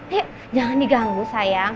yuk jangan diganggu sayang